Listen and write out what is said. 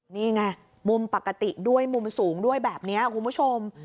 นี่ไงมุมปกติด้วยมุมสูงด้วยแบบนี้คุณผู้ชม